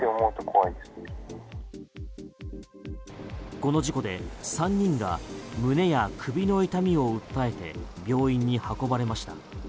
この事故で３人が胸や首の痛みを訴えて病院に運ばれました。